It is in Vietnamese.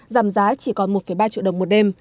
giảm giá chỉ còn một ba triệu đồng một đêm